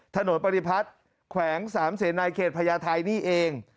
ถนนปฏิพัฒน์แขวงสามเสนัยเขตพญาไทยนี่เอง